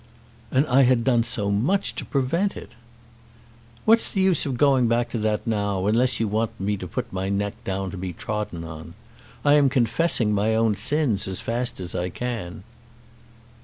"And I had done so much to prevent it!" "What's the use of going back to that now, unless you want me to put my neck down to be trodden on? I am confessing my own sins as fast as I can."